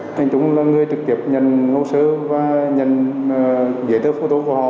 lê kiên trung là người trực tiếp nhận hồ sơ và nhận bìa đất